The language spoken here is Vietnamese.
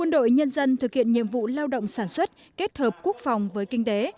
đội nhân dân thực hiện nhiệm vụ lao động sản xuất kết hợp quốc phòng với kinh tế